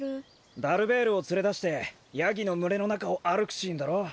ダルベールをつれだしてヤギのむれのなかをあるくシーンだろ？